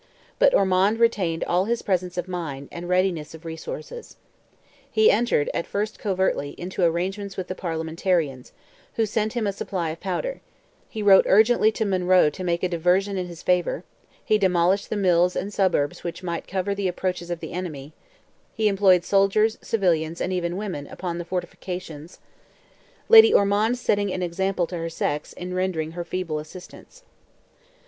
But Ormond retained all his presence of mind, and readiness of resources. He entered, at first covertly, into arrangements with the Parliamentarians, who sent him a supply of powder; he wrote urgently to Monroe to make a diversion in his favour; he demolished the mills and suburbs which might cover the approaches of the enemy; he employed soldiers, civilians, and even women, upon the fortifications,—Lady Ormond setting an example to her sex, in rendering her feeble assistance.